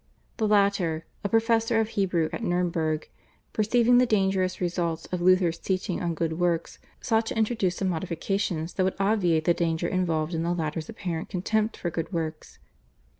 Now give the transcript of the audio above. The latter, a professor of Hebrew at Nurnberg, perceiving the dangerous results of Luther's teaching on good works sought to introduce some modifications that would obviate the danger involved in the latter's apparent contempt for good works.